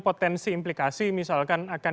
potensi implikasi misalkan akan